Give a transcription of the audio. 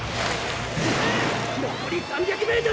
残り３００ｍ！